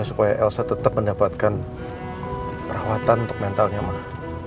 supaya elsa tetap mendapatkan perawatan untuk mentalnya mah